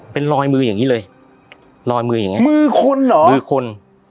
เป็นรอยมืออย่างนี้เลยลอยมืออย่างเงี้มือคนเหรอมือคน